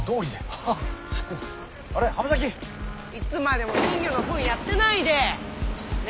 いつまでも金魚のフンやってないで。ね？